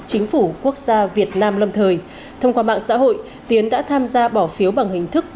chính phủ quốc gia việt nam lâm thời thông qua mạng xã hội tiến đã tham gia bỏ phiếu bằng hình thức